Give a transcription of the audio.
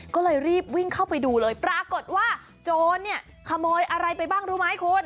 ก็เลยรีบวิ่งเข้าไปดูเลยปรากฏว่าโจรเนี่ยขโมยอะไรไปบ้างรู้ไหมคุณ